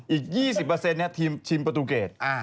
อีก๒๐ทีมประตูเกส